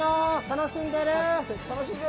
楽しんでる？